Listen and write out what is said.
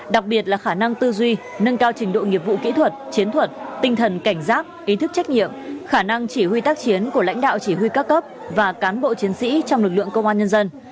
đặc biệt là khả năng tư duy nâng cao trình độ nghiệp vụ kỹ thuật chiến thuật tinh thần cảnh giác ý thức trách nhiệm khả năng chỉ huy tác chiến của lãnh đạo chỉ huy các cấp và cán bộ chiến sĩ trong lực lượng công an nhân dân